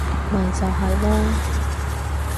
咪就係囉